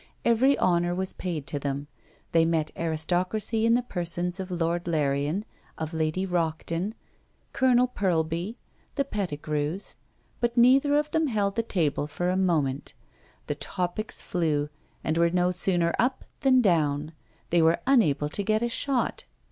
Every honour was paid to them; they met aristocracy in the persons of Lord Larrian, of Lady Rockden, Colonel Purlby, the Pettigrews, but neither of them held the table for a moment; the topics flew, and were no sooner up than down; they were unable to get a shot.